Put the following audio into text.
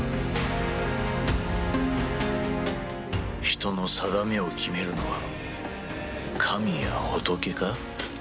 人の定めを決めるのは神や仏か？